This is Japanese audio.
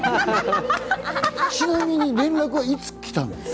ちなみに連絡はいつ来たんですか？